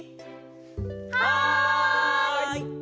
はい！